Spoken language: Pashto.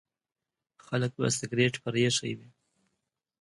خلک به سګریټ پرېښی وي.